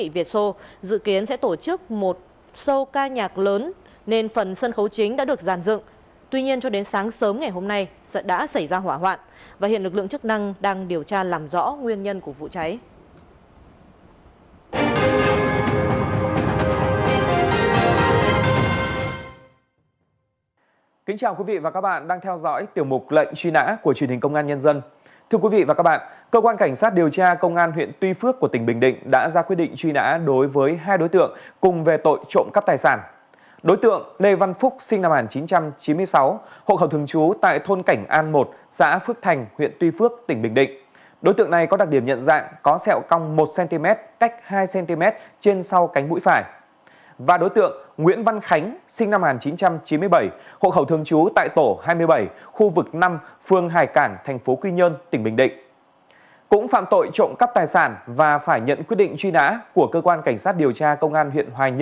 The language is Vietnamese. và phải nhận quyết định truy nã của cơ quan cảnh sát điều tra công an huyện hoài nhơn tỉnh bình định